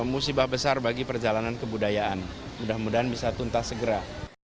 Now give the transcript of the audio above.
musibah besar bagi perjalanan kebudayaan mudah mudahan bisa tuntas segera